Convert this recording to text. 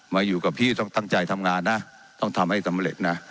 มาอยู่กับพี่ต้องตั้งใจทำงานนะต้องทำให้สำเร็จนะ